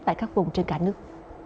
tại các vùng trên cả nước